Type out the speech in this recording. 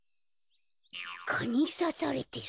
かにさされてる。